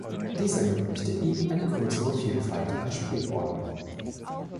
Dies ermöglichte ihm eine größere Vielfalt an Spielorten.